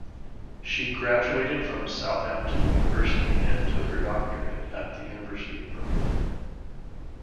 She graduated from Southampton University and took her doctorate at the University of Birmingham.